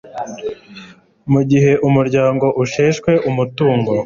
mu gihe umuryango usheshwe umutungo